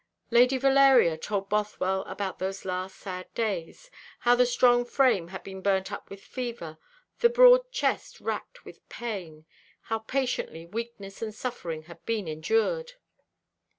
Lady Valeria told Bothwell about those last sad days: how the strong frame had been burnt up with fever, the broad chest racked with pain; how patiently weakness and suffering had been endured.